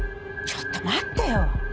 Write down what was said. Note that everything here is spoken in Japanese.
ちょっと待ってよ！